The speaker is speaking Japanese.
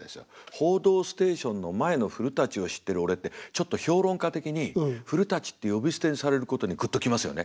「報道ステーション」の前の古を知ってる俺ってちょっと評論家的に「古」って呼び捨てにされることにぐっと来ますよね。